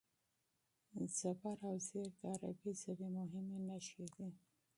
زور او زېر د عربي ژبې مهمې نښې دي.